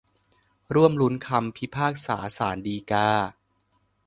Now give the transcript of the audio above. ร่วมลุ้นคำพิพากษาศาลฎีกา